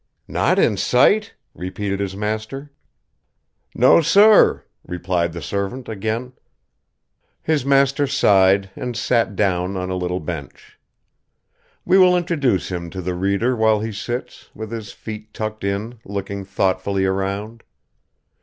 "Not in sight?" repeated his master. "No, sir," replied the servant again. His master sighed and sat down on a little bench. We will introduce him to the reader while he sits, with his feet tucked in, looking thoughtfully around.